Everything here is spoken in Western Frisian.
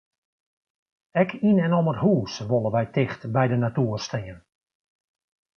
Ek yn en om it hús wolle wy ticht by de natoer stean.